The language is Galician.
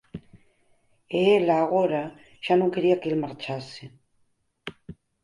E ela, agora, xa non quería que el marchase.